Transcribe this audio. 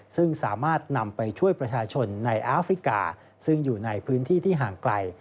ซึ่งสามารถนำไปช่วยประชาชนในอาฟริกาซึ่งอยู่ในพื้นที่ที่ห่างไกล